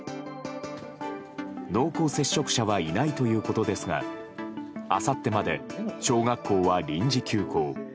濃厚接触者はいないということですがあさってまで小学校は臨時休校。